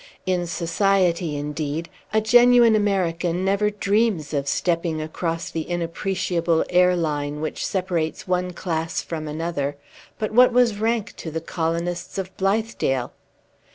In society, indeed, a genuine American never dreams of stepping across the inappreciable air line which separates one class from another. But what was rank to the colonists of Blithedale?"